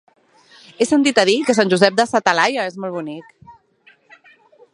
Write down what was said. He sentit a dir que Sant Josep de sa Talaia és molt bonic.